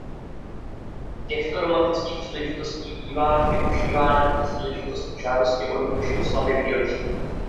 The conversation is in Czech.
Těchto romantických příležitostí bývá využíváno jako příležitost k žádosti o ruku či oslavě výročí.